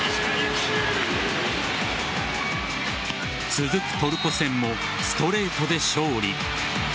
続くトルコ戦もストレートで勝利。